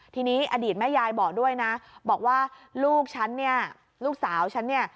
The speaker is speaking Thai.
ทีนี้อดีตแม่ยายบอกด้วยนะบอกว่าลูกฉันเนี่ยลูกสาวฉันเนี่ย